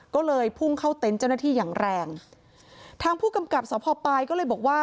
ก็เลยพุ่งเข้าเต็นต์เจ้าหน้าที่อย่างแรงทางผู้กำกับสพปลายก็เลยบอกว่า